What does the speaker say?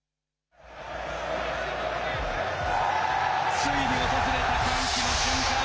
ついに訪れた歓喜の瞬間。